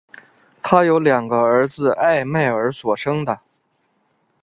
她有两个儿子艾麦尔所生的。